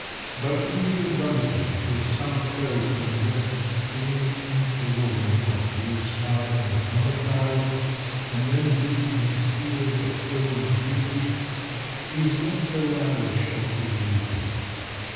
But indigo bunting, whose summer coat and vest seem interwoven of blue sky and a thunder cloud, and then dipped in a sea wave of foamy green, is not so lavish of his beauty.